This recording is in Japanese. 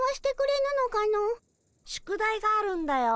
宿題があるんだよ。